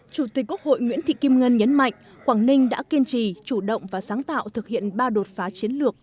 chủ tịch quốc hội nguyễn thị kim ngân nhấn mạnh quảng ninh đã kiên trì chủ động và sáng tạo thực hiện ba đột phá chiến lược